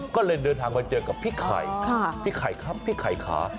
ก็เลยเดินทางมาเจอกับพี่ไข่พี่ไข่ครับพี่ไข่ขา